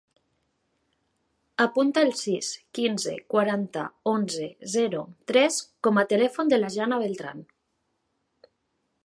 Apunta el sis, quinze, quaranta, onze, zero, tres com a telèfon de la Jana Bertran.